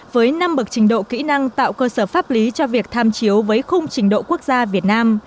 với năm bậc trình độ kỹ năng tạo cơ sở pháp lý cho việc tham chiếu với khung trình độ quốc gia việt nam